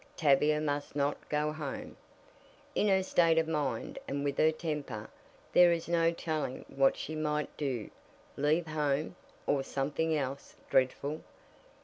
"Tavia must not go home. In her state of mind, and with her temper, there is no telling what she might do leave home, or something else dreadful.